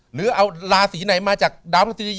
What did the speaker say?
หรือเอาราศีไหนมาจากดาวพระศิริยา